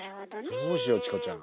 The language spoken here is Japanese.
どうしようチコちゃん。